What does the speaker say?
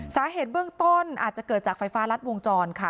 สาเหตุเบื้องต้นอาจจะเกิดจากไฟฟ้ารัดวงจรค่ะ